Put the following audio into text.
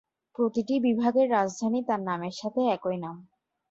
প্রতিটি বিভাগের রাজধানী তার নামের সাথে একই নাম।